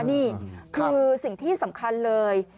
นี่คือสิ่งที่สำคัญเลย